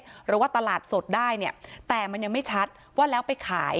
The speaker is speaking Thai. หรือว่าตลาดสดได้เนี่ยแต่มันยังไม่ชัดว่าแล้วไปขาย